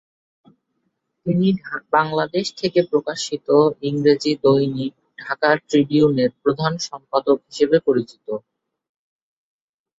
তিনি বাংলাদেশ থেকে প্রকাশিত ইংরেজি দৈনিক ঢাকা ট্রিবিউনের প্রধান সম্পাদক হিসেবে পরিচিত।